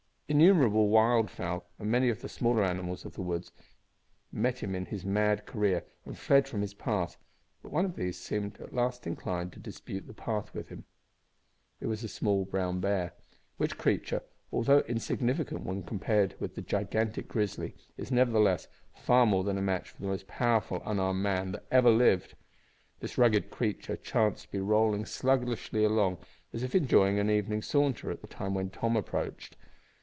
Innumerable wild fowl, and many of the smaller animals of the woods, met him in his mad career, and fled from his path, but one of these seemed at last inclined to dispute the path with him. It was a small brown bear, which creature, although insignificant when compared with the gigantic grizzly, is, nevertheless, far more than a match for the most powerful unarmed man that ever lived. This rugged creature chanced to be rolling sluggishly along as if enjoying an evening saunter at the time when Tom approached.